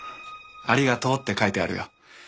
ありがとうって書いてあるよ。